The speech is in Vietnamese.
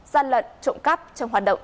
gian lận trộm cắp trong hoạt động